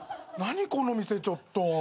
何この店ちょっと。